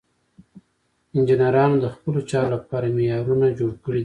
انجینرانو د خپلو چارو لپاره معیارونه جوړ کړي دي.